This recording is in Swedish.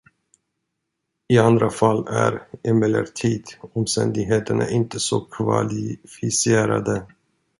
I andra fall är emellertid omständigheterna inte så kvalificerade.